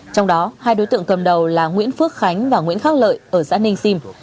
trong đó hai đối tượng cầm đầu là nguyễn phước khánh và nguyễn khắc lợi ở xã ninh sim